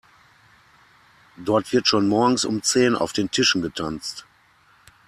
Dort wird schon morgens um zehn auf den Tischen getanzt.